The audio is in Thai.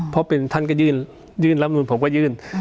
เพราะเป็นท่านก็ยื่นรับนูนผมก็ยื่น